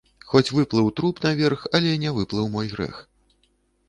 Хоць выплыў труп наверх, але не выплыў мой грэх!